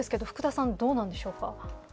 さん、どうなんでしょうか。